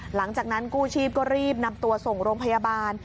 หลังจากนั้นกู้ชีพก็รีบนำตัวส่งโรงพยาบาล